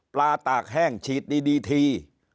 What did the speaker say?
ปลาตากแห้งชีดดีดีที